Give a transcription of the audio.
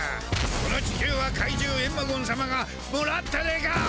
この地球は怪獣エンマゴン様がもらったでガオ！